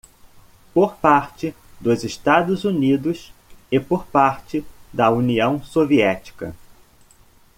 por parte dos Estados Unidos e por parte da União Soviética.